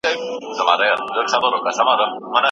څلور کاله مخکې یوازې د وزن کمولو لپاره جواز ورکړل شو.